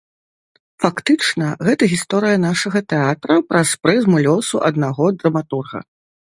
Фактычна гэта гісторыя нашага тэатра праз прызму лёсу аднаго драматурга.